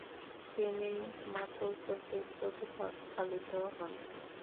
তিনি মাতুল কর্তৃক প্রতিপালিত হন।